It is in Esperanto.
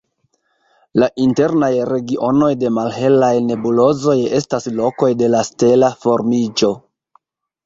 La internaj regionoj de malhelaj nebulozoj estas lokoj de la stela formiĝo.